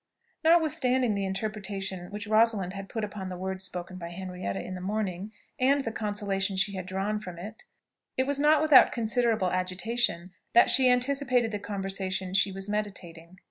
Notwithstanding the interpretation which Rosalind had put upon the works spoken by Henrietta in the morning, and the consolation she had drawn from it, it was not without considerable agitation that she anticipated the conversation she was meditating.